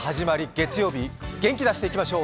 月曜日元気出していきましょう！